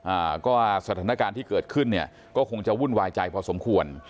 อ่าก็สถานการณ์ที่เกิดขึ้นเนี่ยก็คงจะวุ่นวายใจพอสมควร